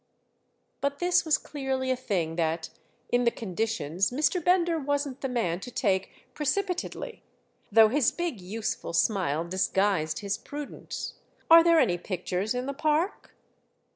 But this was clearly a thing that, in the conditions, Mr. Bender wasn't the man to take precipitately; though his big useful smile disguised his prudence. "Are there any pictures in the park?"